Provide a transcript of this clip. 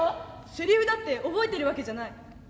せりふだって覚えてるわけじゃない。